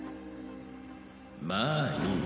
まあいい。